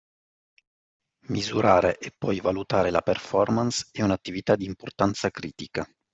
Misurare e poi valutare la performance è un'attività di importanza critica.